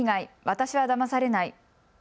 私はだまされない。